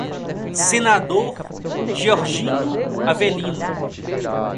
Senador Georgino Avelino